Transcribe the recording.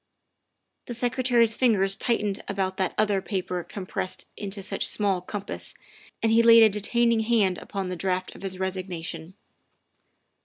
The Secretary's fingers tightened about that other THE SECRETARY OF STATE 259 paper compressed into such small compass, and he laid a detaining hand upon the draft of his resignation.